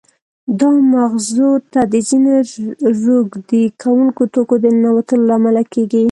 دا مغزو ته د ځینې روږدې کوونکو توکو د ننوتلو له امله کېږي.